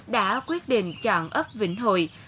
đã quyết định chọn ấp vĩnh hội